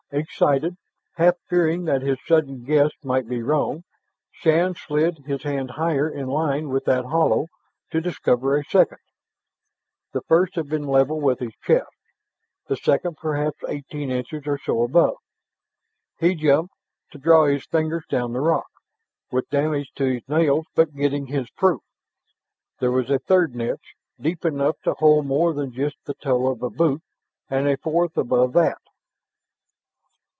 Excited, half fearing that his sudden guess might be wrong, Shann slid his hand higher in line with that hollow, to discover a second. The first had been level with his chest, the second perhaps eighteen inches or so above. He jumped, to draw his fingers down the rock, with damage to his nails but getting his proof. There was a third niche, deep enough to hold more than just the toe of a boot, and a fourth above that....